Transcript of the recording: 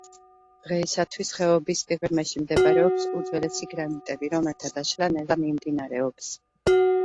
დღეისათვის ხეობის სიღრმეში მდებარეობს უძველესი გრანიტები, რომელთა დაშლა ნელა მიმდინარეობს.